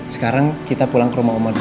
sekarang kita pulang ke rumah umur